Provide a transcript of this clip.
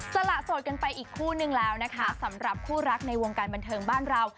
สละโสดกันไปอีกคู่นึงแล้วนะคะสำหรับคู่รักในวงการบันเทิงบ้านเรา